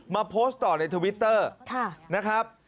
มาโพสต์ต่อในทวิตเตอร์นะครับ